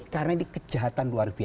karena ini kejahatan luar biasa